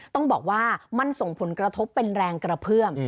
ต้องบอกว่ามันส่งผลกระทบเป็นแรงกระเพื่อม